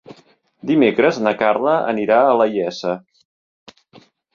Dimecres na Carla anirà a la Iessa.